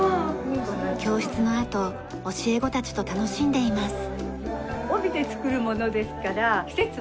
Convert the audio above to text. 教室のあと教え子たちと楽しんでいます。